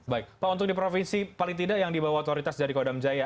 baik pak untuk di provinsi paling tidak yang di bawah otoritas dari kodam jaya